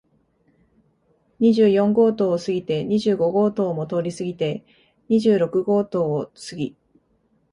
二十四号棟を過ぎて、二十五号棟も通り過ぎて、二十六号棟を過ぎ、